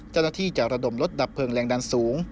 เจ้าหน้าที่จะระดมรถดับเพลิงแรงดันสูง